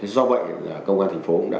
do vậy công an thành phố cũng đã